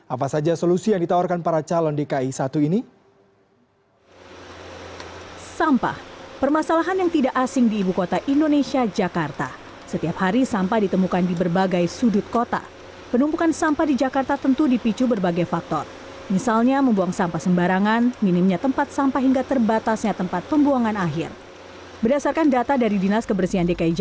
apa saja solusi yang ditawarkan para calon dki satu ini